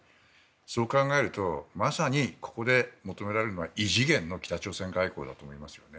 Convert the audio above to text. そう考えるとまさにここで求められるのは異次元の北朝鮮外交だと思いますね。